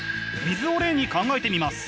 水を例に考えてみます。